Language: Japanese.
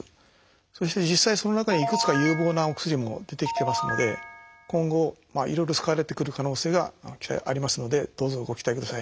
そして実際その中にいくつか有望なお薬も出てきてますので今後いろいろ使われてくる可能性がありますのでどうぞご期待ください。